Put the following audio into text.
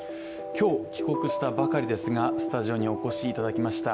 今日、帰国したばかりですがスタジオにお越しいただきました。